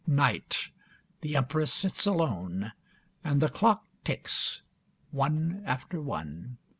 Night. The Empress sits alone, and the clock ticks, one after one.